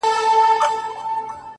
مور چي ژړيږي زوی يې تللی د کلو په سفر”